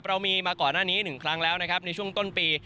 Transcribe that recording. เรามีมาก่อนหน้านี้๑ครั้งแล้วนะครับในช่วงต้นปี